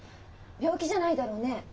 病気じゃないだろうね？